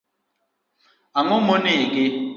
Ango monege.